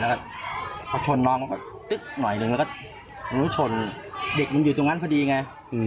แล้วก็พอชนน้องแบบตึ๊กหน่อยหนึ่งแล้วก็รู้ชนเด็กมันอยู่ตรงนั้นพอดีไง